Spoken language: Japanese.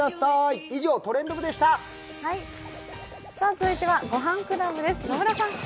続いては「ごはんクラ」ブです。